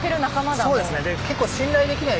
そうですね。